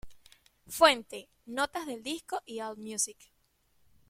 Fuente: Notas del disco y Allmusic.